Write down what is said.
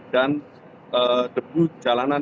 dan debu jalanan